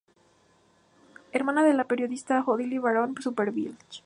Hermana de la periodista Odile Baron Supervielle.